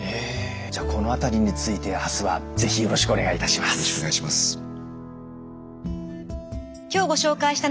じゃあこの辺りについて明日は是非よろしくお願いいたします。